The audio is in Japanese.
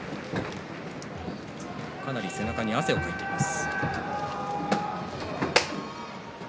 かなり背中に汗をかいています。